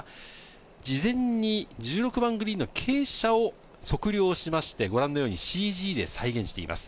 事前に１６番グリーンの傾斜を測量しまして、ご覧のようにＣＧで再現しています。